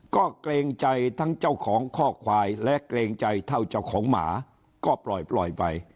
ก็เกรงใจทั้งเจ้าของข้อควายและเกรงใจเท่าเจ้าของหมาก็ปล่อยไป